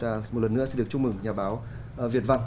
chúng ta một lần nữa sẽ được chúc mừng nhà báo việt văn